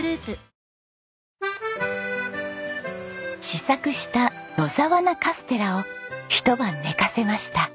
試作した野沢菜カステラをひと晩寝かせました。